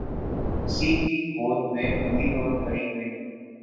اسی کی گود میں پلی اور بڑی ہوئی۔